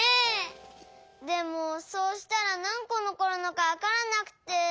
でもそうしたらなんこのこるのかわからなくて。